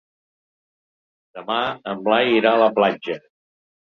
Demà en Blai irà a la platja.